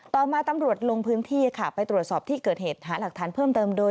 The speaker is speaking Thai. ต่อมาตำรวจลงพื้นที่ค่ะไปตรวจสอบที่เกิดเหตุหาหลักฐานเพิ่มเติมโดย